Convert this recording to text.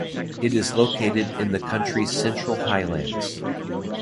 It is located in the country's Central Highlands.